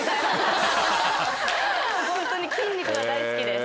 ホントに筋肉が大好きです。